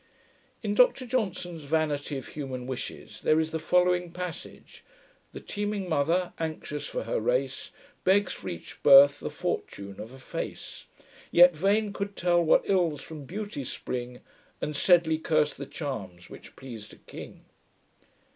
In Dr Johnson's Vanity of Human Wishes, there is the following passage: The teeming mother, anxious for her race, Begs, for each birth, the fortune of a face: Yet VANE could tell, what ills from beauty spring; And SEDLEY curs'd the charms which pleas'd a king.